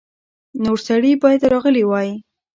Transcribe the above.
نور سړي باید راغلي وای.